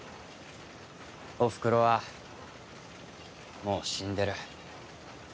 おふくろはもう死んでる。